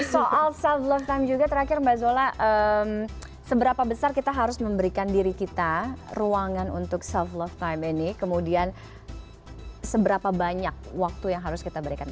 soal self love time juga terakhir mbak zola seberapa besar kita harus memberikan diri kita ruangan untuk self love time ini kemudian seberapa banyak waktu yang harus kita berikan